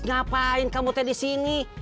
ngapain kamu tadi sini